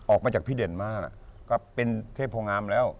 ออกมาจากพี่เด่นมากก็เป็นเทพโพงามแล้ว